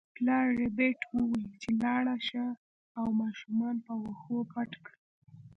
پلار ربیټ وویل چې لاړه شه او ماشومان په واښو پټ کړه